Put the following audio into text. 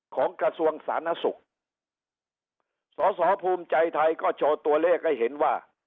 ของกระทรวงสาสุกสศพภูมิใจไทยก็โชว์ตัวเลขให้เห็นว่า